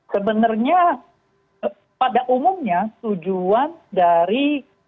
sebenarnya pada umumnya tujuan dari